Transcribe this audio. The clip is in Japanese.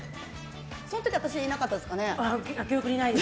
その時、私いなかったですかね。